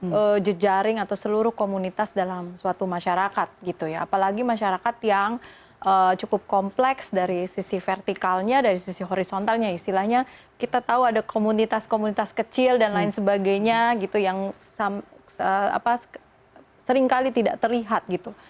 jadi kita harus mencari jalan yang lebih jaring atau seluruh komunitas dalam suatu masyarakat gitu ya apalagi masyarakat yang cukup kompleks dari sisi vertikalnya dari sisi horizontalnya istilahnya kita tahu ada komunitas komunitas kecil dan lain sebagainya gitu yang seringkali tidak terlihat gitu